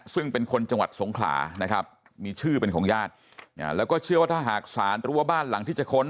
ซึ่งเป็นคนจังหวัดสงขลานะครับมีชื่อเป็นของญาติแล้วก็เชื่อว่าถ้าหากศาลรู้ว่าบ้านหลังที่จะค้น